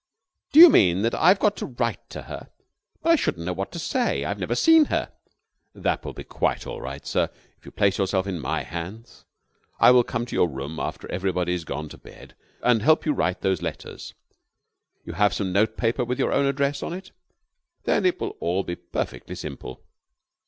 "Do you mean that I have got to write to her? But I shouldn't know what to say. I've never seen her." "That will be quite all right, sir, if you place yourself in my hands. I will come to your room after everybody's gone to bed, and help you write those letters. You have some note paper with your own address on it? Then it will all be perfectly simple."